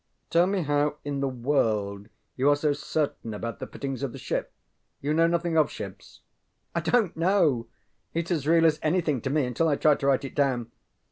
Tell me how in the world you re so certain about the fittings of the ship. You know nothing of ships. ŌĆØ ŌĆ£I donŌĆÖt know. ItŌĆÖs as real as anything to me until I try to write it down.